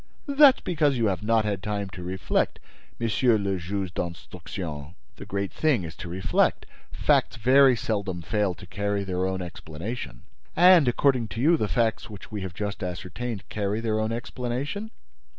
"That is because you have not had time to reflect, Monsieur le Juge d'Instruction. The great thing is to reflect. Facts very seldom fail to carry their own explanation!" "And, according to you, the facts which we have just ascertained carry their own explanation?"